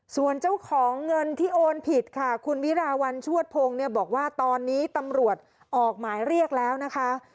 ส่วนเจ้าของเงินที่โอนผิดค่ะคุณวิราวันชวดพงศ์เนี่ยบอกว่าตอนนี้ตำรวจออกหมายเรียกแล้วนะคะ